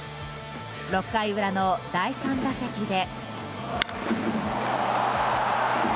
６回裏の第３打席で。